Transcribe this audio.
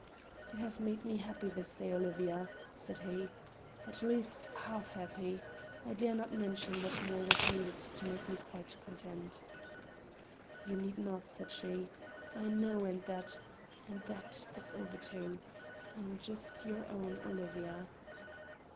"You have made me happy this day, Olivia," said he; "at least half happy. I dare not mention what more was needed to make me quite content." "You need not," said she. "I know, and that and that is over too. I am just your own Olivia."